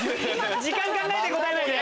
時間考えて答えないで！